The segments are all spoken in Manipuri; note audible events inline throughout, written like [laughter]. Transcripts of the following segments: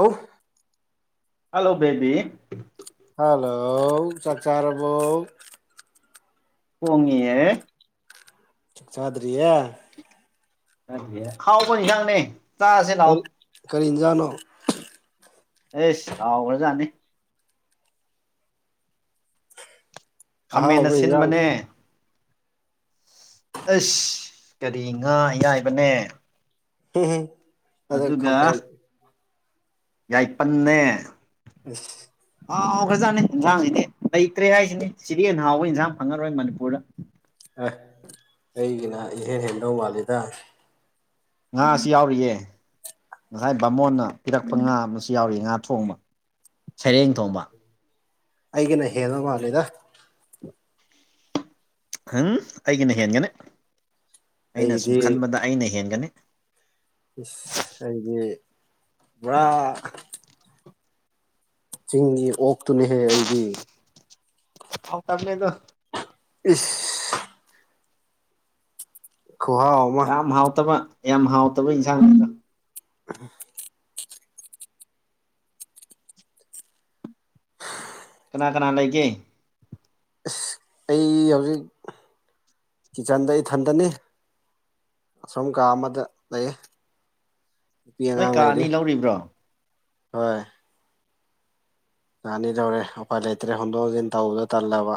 ꯑꯧ ꯍꯜꯂꯣ ꯕꯦꯕꯤ ꯍꯜꯂꯣ ꯆꯥꯛꯆꯥꯥꯔꯕꯣ ꯊꯣꯡꯉꯤꯌꯦ ꯆꯥꯛ ꯆꯗ꯭ꯔꯤꯌꯦ ꯍꯥꯎꯕ ꯏꯪꯖꯥꯡꯅꯦ ꯆꯥꯁꯦ ꯂꯥꯎ ꯀꯔꯤ ꯀꯔꯤ ꯏꯟꯖꯥꯡꯅꯣ ꯑꯦꯁ ꯍꯥꯎꯒ꯭ꯔꯖꯥꯠꯅꯤ ꯈꯥꯃꯦꯟ ꯑꯍꯥꯎꯕ ꯏꯟꯖꯥꯡ ꯑꯁꯤꯟꯕꯅꯦ ꯑꯁ ꯀꯔꯤ ꯉꯥ ꯑꯌꯥꯏꯕꯅꯦ [unintelligible] ꯑꯗ ꯑꯗꯨꯒ ꯈꯥꯃꯦꯟ ꯌꯥꯏꯄꯟꯅꯦ ꯑꯁ ꯍꯥꯎꯒ꯭ꯔꯖꯥꯠꯅꯤ ꯏꯟꯖꯥꯡꯖꯤꯗꯤ ꯂꯩꯇ꯭ꯔꯦ ꯍꯥꯏꯖꯤꯅꯤ ꯁꯤꯗꯩ ꯍꯦꯟꯅ ꯍꯥꯎꯕ ꯏꯟꯖꯥꯡ ꯐꯪꯉꯔꯣꯏ ꯃꯅꯤꯄꯨꯔꯗ ꯑꯦ ꯑꯩꯒꯤꯅ ꯏꯍꯦꯟ ꯍꯦꯟꯗꯧ ꯃꯥꯜꯂꯤꯗ ꯉꯥꯁꯨ ꯌꯥꯎꯔꯤꯌꯦ ꯉꯁꯥꯏ ꯕꯥꯃꯣꯟꯅ ꯄꯤꯔꯛꯄ ꯉꯥ ꯑꯃꯁꯨ ꯌꯥꯎꯔꯤ ꯉꯥ ꯊꯣꯡꯕ ꯁꯩꯔꯦꯡ ꯊꯣꯡꯕ ꯑꯩꯒꯤꯅ ꯍꯦꯂ ꯃꯥꯂꯤꯗ ꯍꯪ ꯑꯩꯒꯤꯅ ꯍꯦꯟꯒꯅꯤ ꯑꯩꯅ ꯑꯩꯗꯤ ꯁꯨꯝ ꯈꯟꯕꯗ ꯑꯩꯅ ꯍꯦꯟꯒꯅꯤ ꯏꯁ ꯑꯩꯗꯤ ꯕꯨꯔꯥ ꯆꯤꯡꯒꯤ ꯑꯣꯛꯇꯨꯅꯦꯍꯦ ꯑꯩꯗꯤ ꯍꯥꯎꯇꯝꯅꯦ ꯑꯗꯨ ꯏꯁ ꯈꯨꯍꯥꯎ ꯑꯃ ꯌꯥꯝ ꯍꯥꯎꯇꯕ ꯌꯥꯝ ꯍꯥꯎꯇꯕ ꯏꯟꯖꯥꯡꯅꯤꯑꯗꯨ [unintelligible] ꯀꯅꯥ ꯀꯅꯥ ꯂꯩꯒꯦ꯫ ꯏꯁ ꯑꯩ ꯍꯧꯖꯤꯛ ꯀꯤꯆꯟꯗ ꯏꯊꯟꯇꯅꯦ ꯑꯁꯣꯝ ꯀꯥ ꯑꯃꯗ ꯂꯩꯌꯦ ꯅꯨꯄꯤ ꯅꯣꯏ ꯑꯉꯥꯡ ꯀꯥ ꯂꯩꯔꯦ ꯑꯅꯤ ꯂꯧꯔꯤꯕ꯭ꯔꯣ ꯍꯣꯏ ꯑꯥ ꯑꯅꯤ ꯇꯧꯔꯦ ꯎꯄꯥꯏ ꯂꯩꯇ꯭ꯔꯦ ꯍꯣꯟꯗꯣꯛ ꯍꯣꯟꯖꯤꯟ ꯇꯧꯕꯗꯣ ꯇꯜꯂꯕ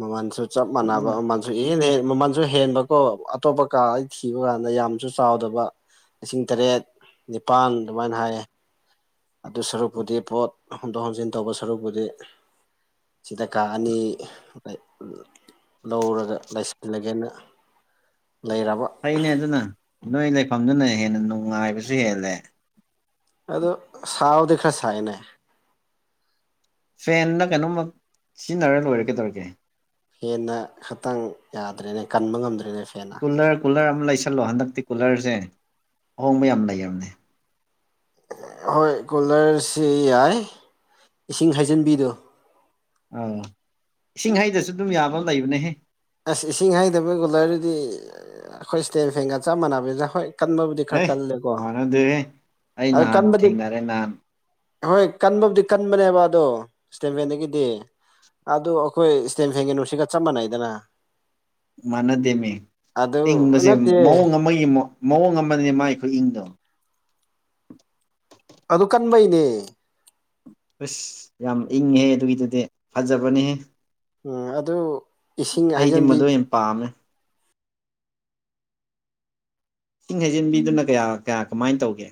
ꯃꯃꯟꯁꯨ ꯆꯞ ꯃꯥꯟꯅꯕ ꯑꯗꯨꯅ ꯑꯃ ꯖꯨꯍꯦꯟ ꯍꯦꯟ ꯃꯃꯟꯖꯨ ꯍꯦꯟꯕꯀꯣ ꯑꯇꯣꯞꯄ ꯀꯥ ꯑꯩ ꯊꯤꯕ ꯀꯥꯟꯗ ꯌꯥꯝꯁꯨ ꯆꯥꯎꯗꯕ ꯂꯤꯁꯤꯡ ꯇꯔꯦꯠ ꯅꯤꯄꯥꯟ ꯑꯗꯨꯃꯥꯏꯅ ꯍꯥꯏꯌꯦ ꯑꯗꯨ ꯁꯔꯨꯛꯄꯨꯗꯤ ꯄꯣꯠ ꯍꯣꯡꯗꯣꯛ ꯍꯣꯟꯖꯤꯟ ꯇꯧꯕ ꯁꯔꯨꯛꯄꯨꯗꯤ꯫ ꯁꯤꯗ ꯀꯥ ꯑꯅꯤ ꯑꯦ ꯑꯥ ꯂꯩ ꯂꯧꯔꯒ ꯂꯩꯁꯤꯜꯂꯒꯦꯅ ꯂꯩꯔꯕ ꯐꯩꯅꯦ ꯑꯗꯨꯅ ꯅꯣꯏ ꯂꯩꯐꯝꯗꯨꯅ ꯍꯦꯟꯅ ꯅꯨꯡꯉꯥꯏꯕꯁꯨ ꯍꯦꯜꯂꯦ ꯑꯗꯨ ꯁꯥꯎꯗꯤ ꯈꯔ ꯁꯥꯏꯅꯦ ꯐꯦꯟꯂ ꯀꯩꯅꯣꯝꯃ ꯆꯤꯟꯅꯔ ꯂꯣꯏꯔꯦ ꯀꯩꯗꯧꯔꯒꯦ ꯐꯦꯟꯅ ꯈꯥꯇꯡ ꯌꯥꯗ꯭ꯔꯦꯅꯦ ꯀꯟꯕ ꯉꯝꯗ꯭ꯔꯦꯅꯦ ꯐꯦꯟꯅ ꯀꯨꯜꯂꯔ ꯀꯨꯜꯂꯔ ꯑꯃ ꯂꯩꯁꯜꯂꯣ ꯍꯟꯗꯛꯇꯤ ꯀꯨꯂꯔꯖꯦ ꯑꯍꯣꯡꯕ ꯌꯥꯝ ꯂꯩꯔꯝꯅꯦ ꯍꯣꯏ ꯀꯨꯂꯔꯁꯤ ꯌꯥꯏ ꯏꯁꯤꯡ ꯍꯩꯖꯤꯟꯕꯤꯗꯣ ꯑꯪ ꯏꯁꯤꯡ ꯍꯩꯗꯁꯨ ꯑꯗꯨꯝ ꯌꯥꯕ ꯑꯝ ꯂꯩꯕꯅꯦꯍꯦ ꯑꯁ ꯏꯁꯤꯡ ꯍꯩꯗꯕ ꯀꯨꯂꯔꯗꯤ ꯑꯩꯈꯣꯏ ꯏꯁꯇꯦꯟ ꯐꯦꯟꯒ ꯆꯞ ꯃꯥꯟꯕꯅꯤꯗ ꯍꯣꯏ ꯀꯟꯕꯕꯨꯗꯤ ꯍꯦ ꯈꯔ ꯀꯜꯂꯦꯀꯣ ꯃꯥꯟꯅꯗꯦꯍꯦ ꯑꯩ ꯑꯗꯨ ꯅꯍꯥꯟ ꯀꯟꯕꯗꯤ꯫ ꯊꯦꯡꯅꯔꯦ ꯅꯍꯥꯟ ꯍꯣꯏ ꯀꯟꯕꯕꯨꯗꯤ ꯀꯟꯕꯅꯦꯕ ꯑꯗꯣ ꯏꯁꯇꯦꯟ ꯐꯦꯟꯗꯒꯤꯗꯤ ꯑꯗꯨ ꯑꯩꯈꯣꯏ ꯏꯁꯇꯦꯟ ꯐꯦꯟꯒꯤ ꯆꯞ ꯃꯥꯟꯅꯩꯗꯅ ꯃꯥꯟꯅꯗꯦꯃꯤ ꯑꯗꯨ ꯏꯪꯕꯁꯦ ꯅꯠꯇꯦ ꯃꯑꯣꯡ ꯑꯃꯒꯤ ꯃꯥ ꯃꯑꯣꯡ ꯑꯃꯅꯦ ꯃꯥꯏ ꯈꯨꯏꯪꯗꯣ ꯑꯗꯨ ꯀꯟꯕꯩꯅꯦ ꯑꯁ ꯌꯥꯝ ꯏꯪꯉꯦꯍꯦ ꯑꯗꯨꯒꯤꯗꯨꯗꯤ ꯐꯖꯕꯅꯤꯍꯦ ꯎꯝ ꯑꯗꯨ ꯏꯁꯤꯡ ꯑꯩꯗꯤ ꯍꯩꯖꯤꯟꯕꯤ ꯃꯗꯨ ꯑꯣꯏꯅ ꯄꯥꯝꯃꯦ ꯏꯁꯤꯡ ꯍꯩꯖꯤꯟꯕꯤꯗꯨꯅ ꯀꯌꯥ ꯀꯌꯥ ꯀꯃꯥꯏꯟ ꯇꯧꯒꯦ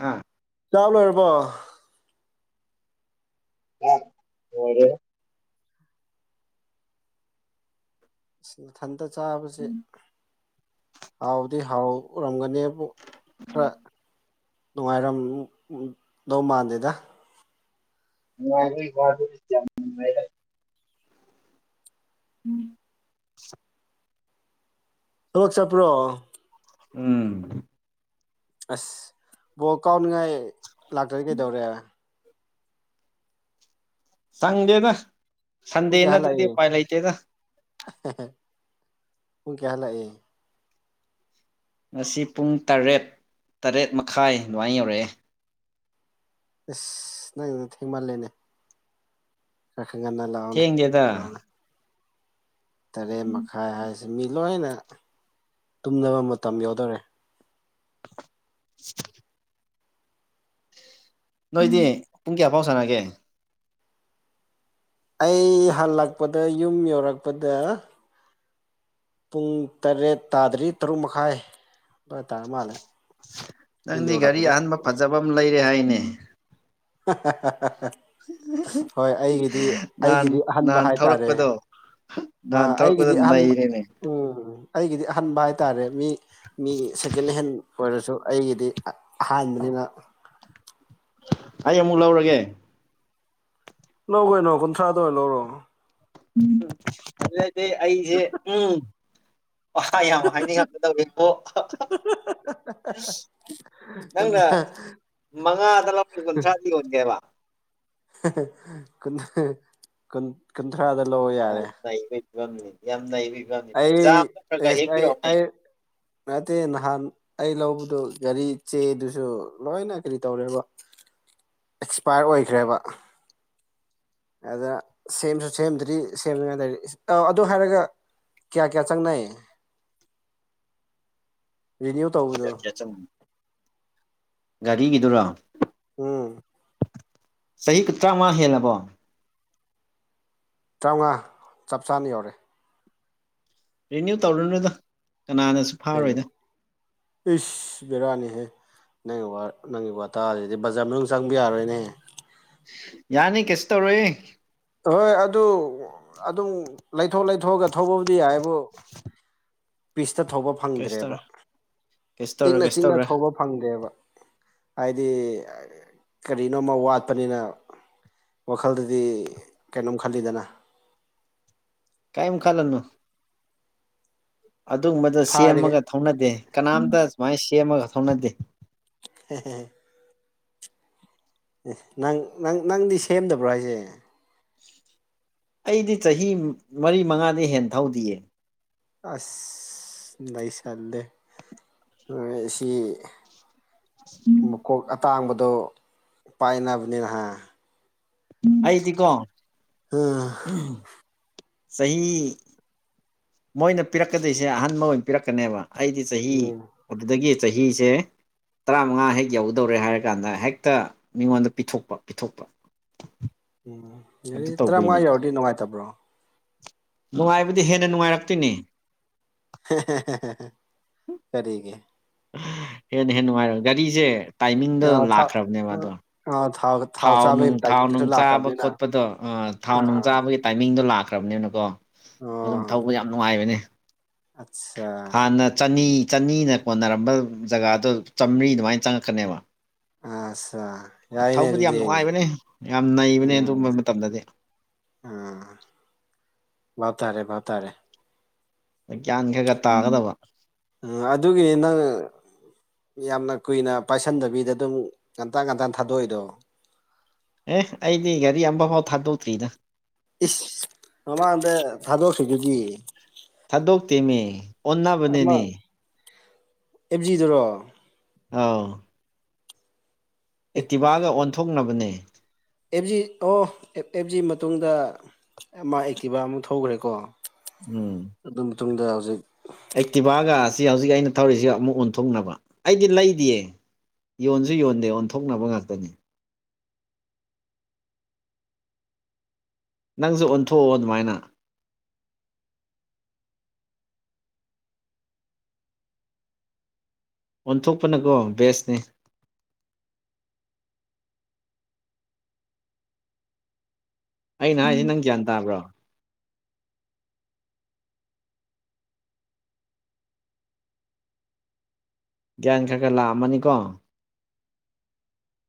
ꯍꯥ ꯆꯥꯛ ꯂꯣꯏꯔꯕꯣ ꯑꯣꯛ ꯂꯣꯏꯔꯦ ꯏꯁ ꯏꯊꯟꯇ ꯆꯥꯕꯁꯦ ꯍꯥꯎꯗꯤ ꯍꯥꯎꯔꯝꯒꯅꯦ ꯈꯔ ꯅꯨꯡꯉꯥꯏꯔꯝꯗꯧ ꯃꯥꯟꯗꯦꯗ ꯅꯨꯉꯥꯏꯕꯩ ꯋꯥꯗꯤ ꯌꯥꯝ ꯅꯨꯡꯉꯥꯏꯗ ꯎꯝ ꯊꯕꯛ ꯆꯠꯄ꯭ꯔꯣ꯫ ꯎꯝ ꯑꯁ ꯕꯣꯜ ꯀꯥꯎꯅꯤꯡꯉꯥꯏ ꯂꯥꯛꯇ꯭ꯔꯗꯤ ꯀꯩꯗꯧꯔꯦ ꯁꯪꯗꯦꯗ ꯄꯨꯡ ꯁꯟꯗꯦ ꯀꯌꯥ ꯍꯜꯂꯛꯏ ꯅꯠꯇ꯭ꯔꯗꯤ ꯎꯄꯥꯏ ꯂꯩꯇꯦꯗ ꯄꯨꯡ ꯀꯌꯥ ꯍꯜꯂꯛꯏ ꯉꯁꯤ ꯄꯨꯡ ꯇꯔꯦꯠ ꯇꯔꯦꯠ ꯃꯈꯥꯏ ꯑꯗꯨꯃꯥꯏ ꯌꯧꯔꯛꯑꯦ ꯑꯁ ꯅꯪꯒꯤꯗꫭ ꯊꯦꯡꯃꯜꯂꯦꯅꯦ ꯈꯔ ꯈꯔ ꯉꯟꯅ ꯂꯥꯎꯅꯦ ꯊꯦꯡꯗꯦꯗ ꯍꯜꯂꯥꯎꯂ ꯇꯔꯦꯠ ꯃꯈꯥꯏ ꯍꯥꯏꯁꯤ ꯃꯤ ꯂꯣꯏꯅ ꯇꯨꯝꯅꯕ ꯃꯇꯝ ꯌꯧꯗꯧꯔꯦ [inaudible] ꯅꯣꯏꯗꯤ ꯄꯨꯡ ꯀꯌꯥꯐꯥꯎ ꯁꯥꯟꯅꯒꯦ ꯑꯩ ꯍꯜꯂꯛꯄꯗ ꯌꯨꯝ ꯌꯧꯔꯛꯄꯗ ꯄꯨꯡ ꯇꯔꯦꯠ ꯇꯥꯗ꯭ꯔꯤ ꯇꯔꯨꯛ ꯃꯈꯥꯏ ꯑꯗꯋꯥꯏ ꯇꯥꯔ ꯃꯥꯜꯂꯦ ꯌꯨꯝ ꯅꯪꯗꯤ ꯒꯥꯔꯤ ꯌꯧꯔꯛꯄꯗ ꯑꯍꯥꯟꯕ ꯐꯖꯕ ꯑꯃ ꯂꯩꯔꯦ ꯍꯥꯏꯅꯦ ꯍꯣꯏ ꯑꯩꯒꯤꯗꯤ ꯅꯍꯥꯟ ꯑꯩꯒꯤꯗꯤ ꯑꯍꯟꯕ ꯅꯍꯥꯟ ꯍꯥꯏꯇꯥꯔꯦ ꯊꯧꯔꯛꯄꯗꯣ ꯅꯍꯥꯟ ꯑꯥ ꯊꯧꯔꯛꯗꫭ ꯑꯩꯒꯤꯗꯤ ꯑꯍꯥꯟꯕ ꯅꯩꯔꯦꯅꯦ ꯎꯝ ꯑꯩꯒꯤꯗꯤ ꯑꯍꯟꯕ ꯍꯥꯏꯇꯥꯔꯦ ꯃꯤ ꯃꯤꯒꯤ ꯁꯦꯀꯦꯟꯍꯦꯟ ꯑꯣꯏꯔꯁꯨ ꯑꯩꯒꯤꯗꯤ ꯑꯍꯥꯟꯕꯅꯤꯅ ꯑꯩ ꯑꯃꯨꯛ ꯂꯧꯔꯒꯦ ꯂꯧ ꯀꯣꯏꯩꯅꯣ ꯀꯨꯟꯊ꯭ꯔꯥꯗ ꯑꯣꯏꯅ ꯂꯧꯔꯣ ꯍꯟꯗꯛꯇꯤ ꯑꯩꯖꯦ ꯎꯝ ꯋꯀꯥꯏ ꯌꯥꯝ ꯍꯥꯏꯅꯤꯡꯉꯛꯀꯗꯧꯔꯤꯕꯣ ꯑꯁ ꯅꯪꯅ ꯃꯉꯥꯗ ꯂꯧ ꯀꯨꯟꯊ꯭ꯔꯥꯗꯤ ꯌꯣꯟꯒꯦꯕ ꯀꯨꯟꯊ꯭ꯔꯥꯗ ꯂꯧꯔꫭ ꯌꯥꯝ ꯌꯥꯔꯦ ꯅꯩꯕꯩ ꯐꯤꯕꯝꯅꯤꯅꯦ ꯌꯥꯝ ꯅꯩꯕꯩ ꯐꯤꯕꯝꯃꯤꯅꯦ ꯑꯩ ꯖꯥ ꯅꯠꯇ꯭ꯔꯒ ꯑꯦꯁ ꯑꯩ ꯍꯦꯛꯄꯤꯔꯛꯑꯣꯅꯦ ꯑꯩ ꯅꯠꯇꯦ ꯅꯍꯥꯟ ꯑꯩ ꯂꯧꯕꯗꯨ ꯒꯥꯔꯤ ꯆꯦꯗꯨꯁꯨ ꯂꯣꯏꯅ ꯀꯔꯤ ꯇꯧꯔꯦꯕ ꯑꯦꯛꯁꯄꯥꯌꯔ ꯑꯣꯏꯈ꯭ꯔꯦꯕ ꯑꯗ ꯁꯦꯝꯖꯨ ꯁꯦꯝꯗ꯭ꯔꯤ ꯁꯦꯝꯅꯤꯉꯥꯏ ꯂꯩꯔꯤ ꯑꫭ ꯑꯗꯨ ꯍꯥꯏꯔꯒ ꯀꯌꯥ ꯀꯌꯥ ꯆꯪꯅꯩ ꯔꯤꯅꯤꯌꯨ ꯇꯧꯕꯗꯣ [inaudible] ꯒꯥꯔꯤꯒꯤꯗꯨꯔꯣ ꯎꯝ ꯆꯍꯤꯒ ꯇꯔꯥꯃꯉꯥ ꯍꯦꯜꯂꯕꯣ ꯇꯔꯥꯎꯉꯥ ꯆꯞ ꯆꯥꯅ ꯌꯧꯔꯦ ꯔꯤꯅ꯭ꯌꯨ ꯇꯧꯔꯨꯅꯨꯗ ꯀꯅꯥꯅꯁꯨ ꯀꯩꯒꯤ ꯐꯥꯔꯣꯏꯗ ꯏꯁ ꯕꯦꯔꯅꯤꯍꯦ ꯅꯪꯒꯤ ꯅꯪꯒꯤ ꯋꯥꯇꯥꯖꯤꯗꯤ ꯕꯖꯥꯔ ꯃꯅꯨꯡ ꯆꯪꯕ ꯌꯥꯔꯣꯏꯅꯦ ꯌꯥꯅꯤ ꯀꯩꯁꯨ ꯇꯧꯔꯣꯏꯌꯦ ꯍꯣꯏ ꯑꯗꯨ ꯑꯗꯨꯝ ꯂꯩꯊꯣꯛ ꯂꯩꯊꯣꯛꯑꯒ ꯊꯧꯕꯕꯨꯗꯤ ꯌꯥꯏꯕꯨ ꯄꯤꯁꯇ ꯊꯧꯕ ꯀꯩꯁꯨ ꯐꯪꯗ꯭ꯔꯦꯕ ꯇꯧꯔꯣꯏ ꯀꯩꯁꯨ ꯇꯧꯔꯣꯏ ꯏꯪꯅ ꯀꯩꯁꯨ ꯆꯤꯛꯅ ꯇꯧꯔꯣꯏ ꯊꯧꯕ ꯐꯪꯗꯦꯕ ꯍꯥꯏꯗꯤ ꯀꯔꯤꯅꯣꯃ ꯋꯥꯠꯄꯅꯤꯅ ꯋꯥꯈꯜꯗꯗꯤ ꯀꯩꯅꯣꯝ ꯈꯜꯂꯤꯗꯅ ꯀꯩꯝ ꯈꯜꯂꯨꯅꯨ ꯑꯗꯨꯒꯨꯝꯕꯗ ꯐꯥꯔꯒ ꯁꯦꯝꯃꯒ ꯊꯧꯅꯗꯦ ꯀꯅꯥꯝꯇ ꯁꯨꯃꯥꯏꯅ ꯁꯦꯝꯃꯒ ꯊꯧꯅꯗꯦ [unintelligible] ꯅꯪ ꯅꯪ ꯅꯪꯗꯤ ꯁꯦꯝꯗꯕ꯭ꯔꯣ ꯍꯥꯏꯖꯦ ꯑꯩꯗꯤ ꯆꯍꯤ ꯃꯔꯤ ꯃꯉꯥꯗꯤ ꯍꯦꯟ ꯊꯧꯗꯤꯌꯦ ꯑꯁ ꯅꯩꯁꯜꯂꯦ ꯁꯤ ꯃꯀꯣꯛ ꯑꯇꯥꯡꯕꯗꯣ ꯄꯥꯏꯅꯕꯅꯤꯅꯍꯥ ꯑꯩꯥꯏꯗꯤꯀꯣ ꯎꯝ ꯆꯍꯤ ꯃꯣꯏꯅ ꯄꯤꯔꯛꯀꯗꯣꯏꯁꯦ ꯑꯍꯟꯕ ꯑꯣꯏꯅ ꯄꯤꯔꯛꯀꯅꯦꯕ ꯑꯩꯗꯤ ꯆꯍꯤ ꯎꯝ ꯑꯗꯨꯗꯒꯤ ꯆꯍꯤꯁꯦ ꯇꯔꯥꯃꯉꯥ ꯍꯦꯛ ꯌꯧꯒꯗꯧꯔꯦ ꯍꯥꯏꯔ ꯀꯥꯟꯗ ꯍꯦꯛꯇ ꯃꯤꯉꯣꯟꯗ ꯄꯤꯊꯣꯛꯄ ꯄꯤꯊꯣꯛꯄ ꯎꯝ ꯑꯗꯨ ꯒꯥꯔꯤ ꯇꯧꯕꯩꯅꯦ ꯇꯔꯥꯃꯉꯥ ꯌꯧꯔꯗꯤ ꯅꯨꯡꯉꯥꯏꯇꯕ꯭ꯔꯣ ꯅꯨꯡꯉꯥꯏꯕꯗꯤ ꯍꯦꯟꯅ ꯅꯨꯡꯉꯥꯏꯔꯛꯇꯣꯏꯅꯦ ꯀꯔꯤꯒꯤ ꯍꯦꯟꯅ ꯍꯦꯟꯅ ꯅꯨꯡꯉꯥꯏꯔ ꯒꯥꯔꯤꯁꯦ ꯇꯥꯏꯃꯤꯡꯗꯣ ꯑꯥ ꯊꯥꯎ ꯂꯥꯛꯈ꯭ꯔꯕꯅꯦꯕ ꯑꯗꯣ ꯑꯥ ꯊꯥꯎ ꯅꯨꯡ ꯆꯥꯕꯒꯤ ꯊꯥꯎ ꯇꯥꯏꯃꯤꯡꯗꯨꯁꯨ ꯅꯨꯡ ꯆꯥꯕ ꯂꯥꯛꯈ꯭ꯔꯕꯅꯤꯅ ꯈꯣꯠꯄꯗꯣ ꯊꯥꯎ ꯅꯨꯡ ꯑꯥ ꯆꯥꯕꯒꯤ ꯇꯥꯏꯃꯤꯡꯗꯣ ꯂꯥꯛꯈ꯭ꯔꯕꯅꯤꯅꯀꯣ ꯑꯗꯨꯝ ꯊꯧꯕ ꯌꯥꯝ ꯅꯨꯡꯉꯥꯏꯕꯅꯦ ꯑꯠꯆꯥꯥ ꯍꯥꯟꯅ ꯆꯅꯤ ꯆꯅꯤꯅ ꯀꯣꯟꯅꯔꯝꯕ ꯖꯒꯥꯗꯣ ꯆꯥꯝꯃꯔꯤ ꯑꯗꯨꯃꯥꯏꯅ ꯆꯪꯉꯛꯀꯅꯦꯕ ꯑꯠꯁꯥ ꯌꯥꯏꯅꯦ ꯊꯧꯕꯗꯤ ꯌꯥꯝ ꯑꯗꯨꯗꯤ ꯅꯨꯡꯉꯥꯏꯕꯅꯦ ꯌꯥꯝ ꯅꯩꯕꯅꯦ ꯑꯗꯨꯝꯕ ꯃꯇꯝꯗꯗꯤ ꯎꯝ ꯕꯥꯞ ꯇꯥꯔꯦ ꯕꯥꯞ ꯇꯥꯔꯦ ꯒ꯭ꯌꯥꯟ ꯈꯔ ꯈꯔ ꯇꯥꯒꯗꯕ ꯎꯝ ꯑꯗꯨꯒꯤꯅꯤ ꯅꯪ ꯌꯥꯝꯅ ꯀꯨꯏꯅ ꯄꯥꯏꯁꯟꯗꯕꯤꯗ ꯑꯗꯨꯝ ꯉꯟꯇꯥ ꯉꯟꯇꯥ ꯊꯥꯗꯣꯛꯏꯗꯣ ꯑꯦ ꯑꯩꯗꯤ ꯒꯥꯔꯤ ꯑꯃꯐꯥꯎ ꯊꯥꯗꯣꯛꯇ꯭ꯔꯤꯗ ꯏꯁ ꯃꯃꯥꯡꯗ ꯊꯥꯗꯣꯛꯈꯤꯗꯨꯗꯤ ꯊꯥꯗꯣꯛꯇꯦꯃꯤ ꯑꯃ ꯑꯣꯟꯅꯕꯅꯦꯅꯦ ꯑꯦꯞꯖꯤꯗꯨꯔꯣ ꯑꯧ ꯑꯦ ꯑꯦꯛꯇꯤꯚꯒ ꯑꯣꯟꯊꯣꯛꯅꯕꯅꯦ ꯑꯦꯞꯖꯤ ꯑꯣ ꯑꯦꯞꯖꯤ ꯃꯇꯨꯡꯗ ꯃꯥ ꯑꯦꯛꯇꯤꯚ ꯑꯃꯨꯛ ꯊꯈ꯭ꯔꯦꯀꯣ ꯎꯝ ꯑꯗꯨ ꯃꯇꯨꯡꯗ ꯍꯧꯖꯤꯛ ꯑꯦꯛꯇꯤꯚꯥꯒ ꯑꯁꯤ ꯍꯧꯖꯤꯛ ꯑꯩꯅ ꯊꯧꯔꯤꯁꯤꯒ ꯑꯃꯨꯛ ꯑꯣꯟꯊꯣꯛꯅꯕ ꯑꯩꯗꯤ ꯂꯩꯗꯤꯌꯦ ꯌꯣꯟꯁꯨ ꯌꯣꯟꯗꯦ ꯑꯣꯟꯊꯣꯛꯅꯕ ꯉꯥꯛꯇꯅꯤ ꯅꯪꯁꯨ ꯑꯣꯟꯊꯣꯛꯑꯣ ꯑꯗꯨꯃꯥꯏꯅ ꯑꯣꯟꯊꯣꯛꯄꯅꯀꯣ ꯕꯦꯁꯅꯤ ꯑꯩꯅ ꯍꯥꯏꯁꯦ ꯅꯪ ꯒ꯭ꯌꯥꯟ ꯇꯥꯕ꯭ꯔꯣ ꯒ꯭ꯌꯥꯟ ꯈꯔ ꯈꯔ ꯂꯥꯛꯑꯝꯃꯅꯤꯀꯣ